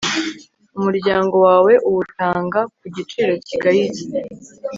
umuryango wawe uwutanga ku giciro kigayitse